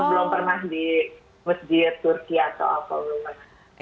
kalau belum pernah di masjid turki atau apa belum pernah